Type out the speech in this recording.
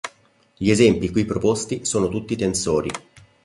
Gli esempi qui proposti sono tutti tensori.